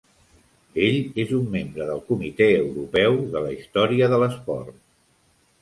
Ell és un Membre del Comitè Europeu de la Història de l'Esport.